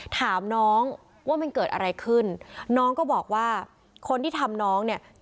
ถามน้องว่ามันเกิดอะไรขึ้นน้องก็บอกว่าคนที่ทำน้องเนี่ย